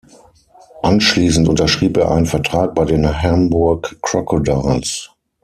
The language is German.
Anschließend unterschrieb er einen Vertrag bei den Hamburg Crocodiles.